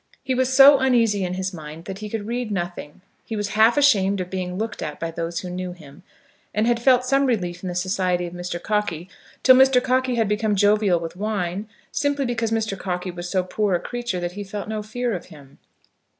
He was so uneasy in his mind that he could read nothing. He was half ashamed of being looked at by those who knew him; and had felt some relief in the society of Mr. Cockey till Mr. Cockey had become jovial with wine, simply because Mr. Cockey was so poor a creature that he felt no fear of him.